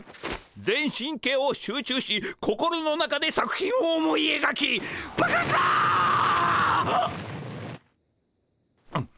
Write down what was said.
全神経を集中し心の中で作品を思いえがき爆発だ！